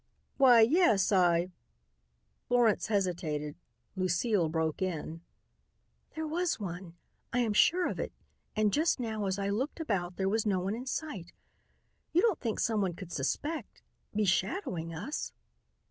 "Why, yes, I " Florence hesitated. Lucile broke in: "There was one. I am sure of it, and just now as I looked about there was no one in sight. You don't think someone could suspect be shadowing us?"